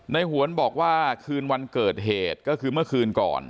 หวนบอกว่าคืนวันเกิดเหตุก็คือเมื่อคืนก่อน